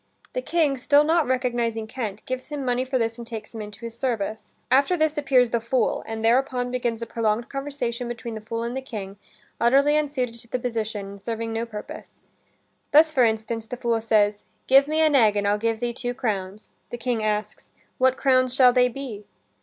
The King, still not recognizing Kent, gives him money for this and takes him into his service. After this appears the fool, and thereupon begins a prolonged conversation between the fool and the King, utterly unsuited to the position and serving no purpose. Thus, for instance, the fool says, "Give me an egg and I'll give thee two crowns." The King asks, "What crowns shall they be?"